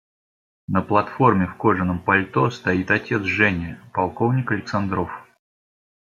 На платформе в кожаном пальто стоит отец Жени – полковник Александров.